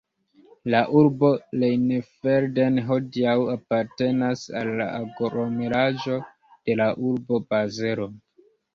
La urbo Rheinfelden hodiaŭ apartenas al la aglomeraĵo de la urbo Bazelo.